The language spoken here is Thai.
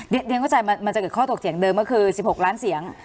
เรียนเข้าใจมันจะเกิดข้อถกเถียงเดิมก็คือ๑๖ล้านเสียง